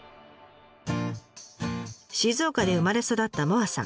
静岡で生まれ育った萌彩さん。